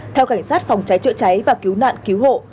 theo cảnh sát phòng cháy chữa cháy và cứu nạn cứu hộ